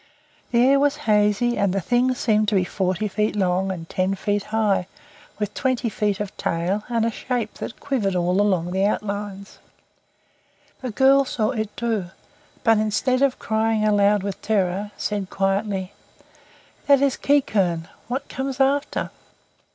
The air was hazy, and the Thing seemed to be forty feet long and ten feet high, with twenty feet of tail and a shape that quivered all along the outlines. The girl saw it too, but instead of crying aloud with terror, said quietly, "That is Quiquern. What comes after?"